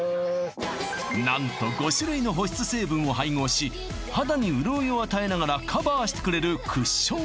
何と５種類の保湿成分を配合し肌に潤いを与えながらカバーしてくれるクッション